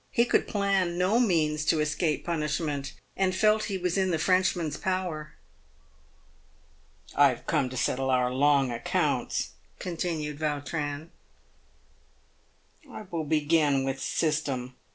He could plan no means to escape punishment, and felt he was in the Frenchman's power. " I have come to settle our long accounts," continued Yautrin. " I will begin with system.